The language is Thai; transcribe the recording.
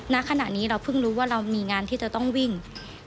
ณขณะนี้เราเพิ่งรู้ว่าเรามีงานที่จะต้องวิ่ง